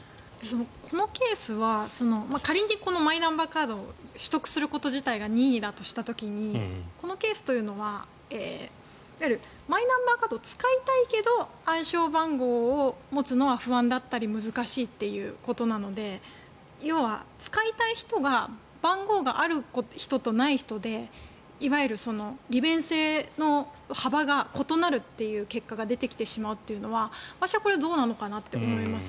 このケースは仮にマイナンバーカードを取得すること自体が任意だとした時にこのケースというのはマイナンバーカードを使いたいけど暗証番号を持つのは不安だったり難しいということなので要は使いたい人が番号がある人とない人でいわゆる利便性の幅が異なるという結果が出てきてしまうというのは私はこれはどうなのかなと思います。